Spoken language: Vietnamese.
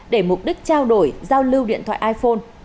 để mục đích trao đổi giao lưu điện thoại iphone